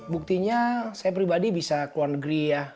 buktinya saya pribadi bisa keluar negeri ya